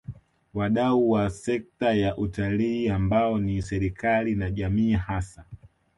Wadau wa wa sekta ya Utalii ambao ni serikali na jamii hasa